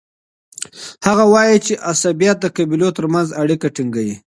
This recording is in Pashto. هغه وایي چي عصبيت د قبیلو ترمنځ اړیکه ټینګوي.